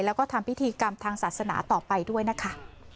แล้วก็ทำพิธีกรรมทางศาสนาต่อไปด้วยนะคะ